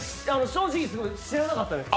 正直知らなかったです。